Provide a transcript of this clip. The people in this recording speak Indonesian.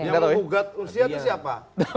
yang menggugat rusia itu siapa